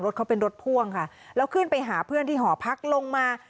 เขาเป็นรถพ่วงค่ะแล้วขึ้นไปหาเพื่อนที่หอพักลงมา